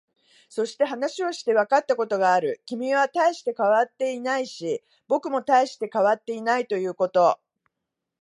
そして、話をしていてわかったことがある。君は大して変わっていないし、僕も大して変わっていないということ。